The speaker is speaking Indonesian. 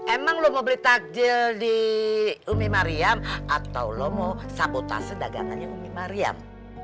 emang lo mau beli takjil di umi mariam atau lo mau sabotase dagangannya umi mariam